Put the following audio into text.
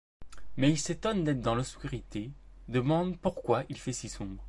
Mais il s'étonne d'être dans l'obscurité, demande pourquoi il fait si sombre.